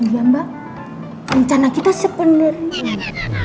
iya mbak rencana kita sepenuhnya